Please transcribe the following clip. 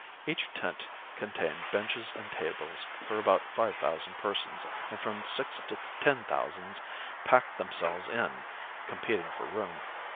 Each tent contained benches and tables for about five thousand persons and from six to ten thousands pack themselves in, competing for room.